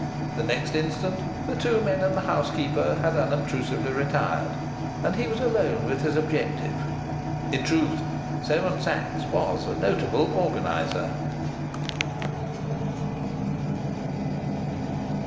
The next instant the two men and the housekeeper had unobtrusively retired, and he was alone with his objective. In truth, Seven Sachs was a notable organizer.